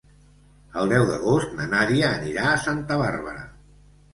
El deu d'agost na Nàdia anirà a Santa Bàrbara.